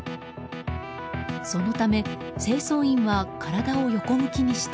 そのため、清掃員は体を横向きにして。